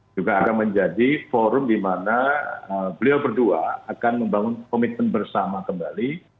juga akan menjadi forum di mana beliau berdua akan membangun komitmen bersama kembali